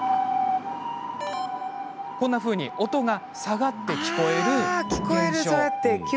こんなふうに音が下がって聞こえる現象。